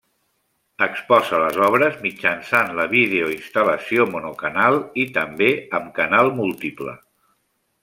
Exposa les obres mitjançant la videoinstal·lació monocanal i també amb canal múltiple.